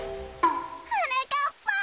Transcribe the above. はなかっぱん。